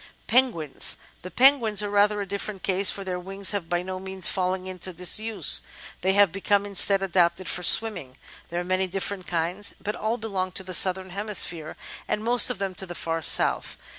Penguins The Penguins are rather a different case, for their wings have by no means fallen into disuse ; they have become, instead, adapted for swimming. There are many different kinds, but all belong to the Southern Hemisphere, and most of them to the far south.